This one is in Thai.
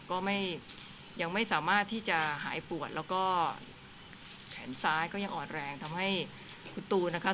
ก็ยังไม่สามารถที่จะหายปวดแล้วก็แขนซ้ายก็ยังอ่อนแรงทำให้คุณตูนนะคะ